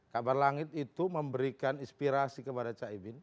kabar langit itu memberikan inspirasi kepada caimin